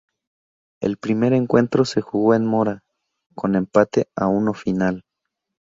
El primer encuentro se jugó en Mora, con empate a uno final.